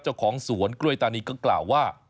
เจ้าของสวนกล้วยตานีก็กล่าวว่า